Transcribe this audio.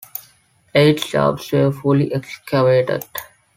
Eight shafts were fully excavated.